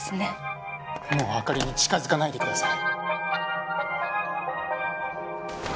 もう朱莉に近づかないでください。